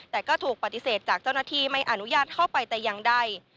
แต่ก็ถูกปฏิเสธจากเจ้าหน้าที่ไม่อนุญาตเข้าไปแต่อย่างใด